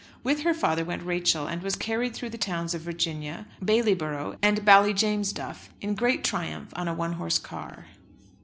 With her father went Rachel, and was carried through the towns of Virginia, Bailyborough, and Ballyjamesduff, in great triumph on a one horse car.